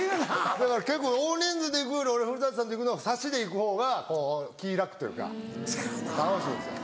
だから結構大人数で行くより俺古さんと行くのは差しで行くほうが気ぃ楽というか楽しいんですよ。